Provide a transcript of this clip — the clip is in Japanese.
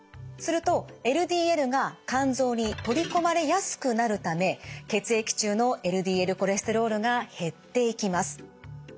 するとＬＤＬが肝臓に取り込まれやすくなるため血液中のＬＤＬコレステロールが減っていきます。